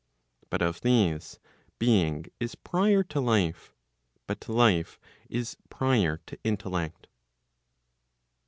But of these, being is prior to life, but life is prior to intellect.